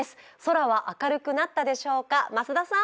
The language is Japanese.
空は明るくなったでしょうか？